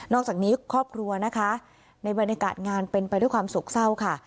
อกจากนี้ครอบครัวนะคะในบรรยากาศงานเป็นไปด้วยความโศกเศร้าค่ะ